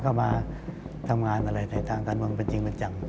คำมาทำงานในทางตำรวงเป็นจริงเป็นจัง